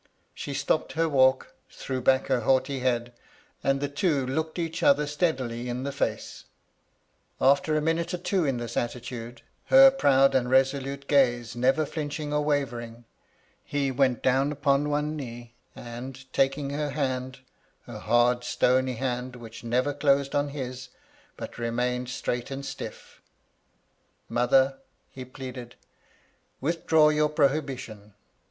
She stopped her walk, threw back her haughty head, and the two looked each other steadily in the face. After a minute or two in this attitude, her proud and resolute gaze never flinching or wavering, he went down upon one knee, and, taking her hand — her hard, stony hand, which never closed on his, but remained straight and stiff: 116 MY LADY LUDLOW. ' Mother,' he pleaded, * withdraw your 'prohibition.